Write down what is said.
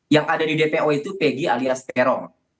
yang ada di dpo itu pegi alias peron